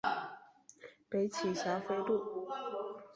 北起霞飞路。